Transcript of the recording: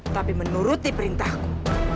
tapi menuruti perintahku